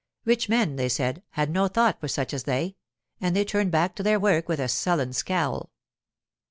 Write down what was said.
Rich men, they said, had no thought for such as they, and they turned back to their work with a sullen scowl.